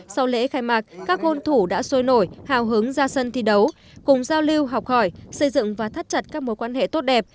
sau lễ khai mạc các gôn thủ đã sôi nổi hào hứng ra sân thi đấu cùng giao lưu học hỏi xây dựng và thắt chặt các mối quan hệ tốt đẹp